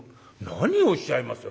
「何をおっしゃいます！